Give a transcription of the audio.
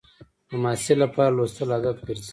د محصل لپاره لوستل عادت ګرځي.